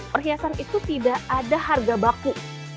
perhiasan itu tidak ada harga baku